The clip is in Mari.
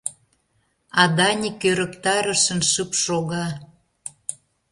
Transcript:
А Даник ӧрыктарышын шып шога.